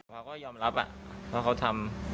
พ่อก็ยอมรับอ่ะเพราะเขาทำ